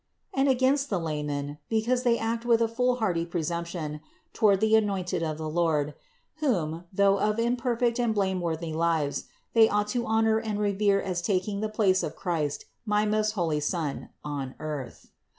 And against the laymen, because they act with a fool hardy presumption toward the anointed of the Lord, whom, though of imperfect and blameworthy lives, they ought to honor and revere as taking the place of Christ, my most holy Son, on earth.